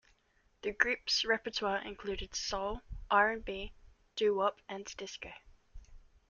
The group's repertoire included soul, R and B, doo-wop, and disco.